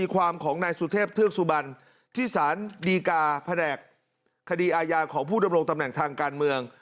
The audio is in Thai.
ของผู้ดำรงตำแหน่งทางการเมือง